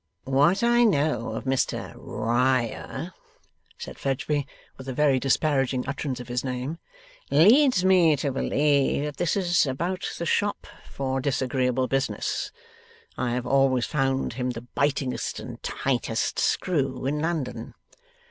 'What I know of Mr Riah,' said Fledgeby, with a very disparaging utterance of his name, 'leads me to believe that this is about the shop for disagreeable business. I have always found him the bitingest and tightest screw in London.